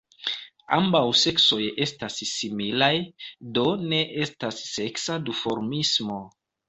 Ambaŭ seksoj estas similaj, do ne estas seksa duformismo.